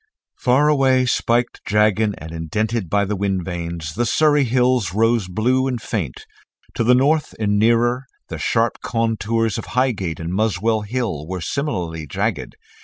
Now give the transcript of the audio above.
Far away, spiked, jagged and indented by the wind vanes, the Surrey Hills rose blue and faint; to the north and nearer, the sharp contours of Highgate and Muswell Hill were similarly jagged.